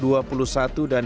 diberi penyelesaian di belakang